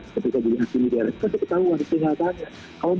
ketika jadi asli di rs kan kita tahu kan jika dia sesuatu yang kurang